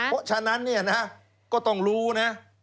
เพราะฉะนั้นก็ต้องรู้นะ